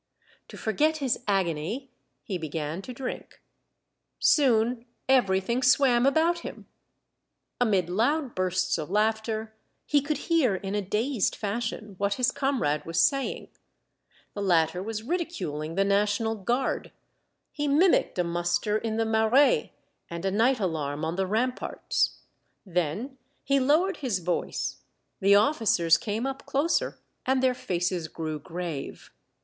To forget his agony, he began to drink. Soon everything swam about him. Amid loud bursts of laughter, he could hear in a dazed fashion what his comrade was saying. The latter was ridiculing the National Guard ; he mimicked a muster in the Marais and a night 30 Monday Tales. alarm on the ramparts. Then he lowered his voice, the officers came up closer, and their faces grew grave.